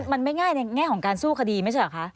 มันไม่ง่ายในแง่ของการสู้คดีไม่ใช่เหรอคะ